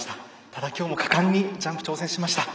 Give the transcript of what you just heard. ただ、今日も果敢にジャンプ挑戦しました。